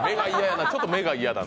ちょっと目が嫌だな。